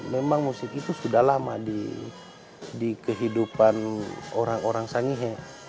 memang musik itu sudah lama di kehidupan orang orang sangihe